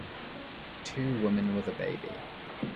Two woman with a baby